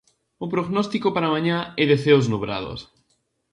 O prognóstico para mañá é de ceos nubrados.